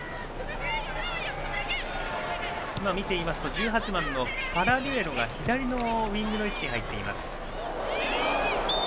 １８番のパラリュエロが左のウイングの位置に入っています。